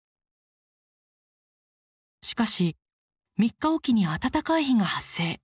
しかし３日置きに暖かい日が発生。